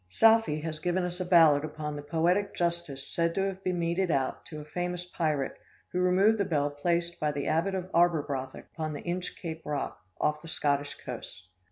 Southey has given us a ballad upon the poetic justice said to have been meted out to a famous pirate who removed the bell placed by the abbot of Arberbrothok upon the Inchcape Rock, off the Scottish coast.